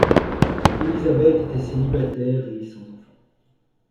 Élisabeth était célibataire et sans enfants.